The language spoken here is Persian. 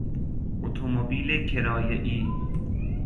اتومبیل کرایهای